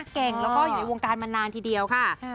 เก่งแล้วก็อยู่ในวงการมานานทีเดียวค่ะ